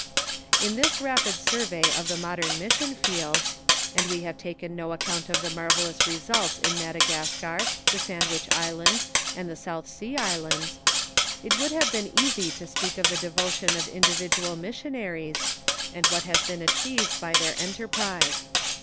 Li this rapid survey of the modern mission field — and Ave have taken no account of the marvellous results in JNLadagas car, the Sandwich Islands, and the South Sea Islands — it would have been easy to speak of the devotion of individual mission aries, and what has been achieved by their enterprise.